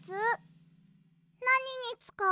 なににつかうの？